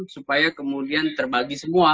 supaya kemudian terbagi semua